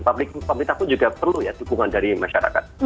publik pemerintah pun juga perlu ya dukungan dari masyarakat